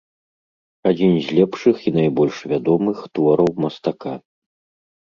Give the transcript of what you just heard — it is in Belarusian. Адзін з лепшых і найбольш вядомых твораў мастака.